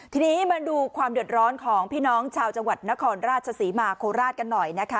ทีนี้มาดูความเดือดร้อนของพี่น้องชาวจังหวัดนครราชศรีมาโคราชกันหน่อยนะคะ